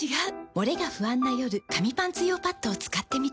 モレが不安な夜紙パンツ用パッドを使ってみた。